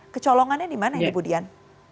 kecolongannya di mana ini budian